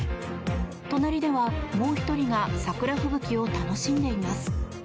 隣では、もう１人が桜吹雪を楽しんでいます。